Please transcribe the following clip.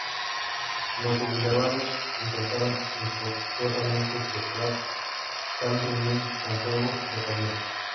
Los sublevados intentaron infructuosamente frustrar tal reunión con fuego de cañones.